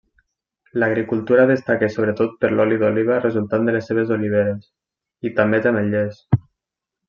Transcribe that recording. L'agricultura destaca sobretot per l'oli d'oliva resultant de les seves oliveres, i també té ametllers.